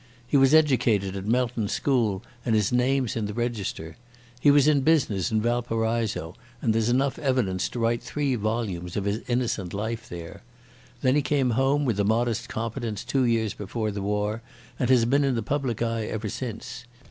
He was educated at Melton School and his name's in the register. He was in business in Valparaiso, and there's enough evidence to write three volumes of his innocent life there. Then he came home with a modest competence two years before the war, and has been in the public eye ever since.